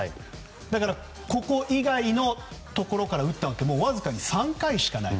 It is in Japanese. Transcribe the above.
だから、ここ以外のところから打ったところはわずかに３回しかない。